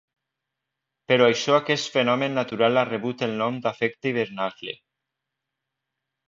Per això aquest fenomen natural ha rebut el nom d'efecte hivernacle.